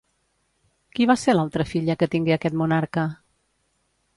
Qui va ser l'altra filla que tingué aquest monarca?